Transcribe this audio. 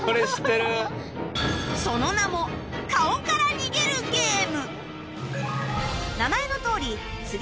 その名も『顔から逃げるゲーム』